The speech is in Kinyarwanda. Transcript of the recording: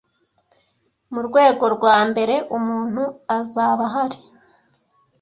mu rwego rwa mbere umuntu azabahari